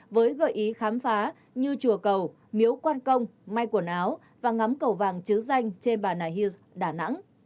với gợi ý khám phá như chùa cầu miếu quan công may quần áo và ngắm cầu vàng chứa danh trên bà nài hưu đà nẵng